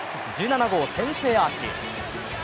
１７号先制アーチ。